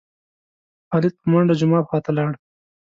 خالد په منډه جومات خوا ته لاړ.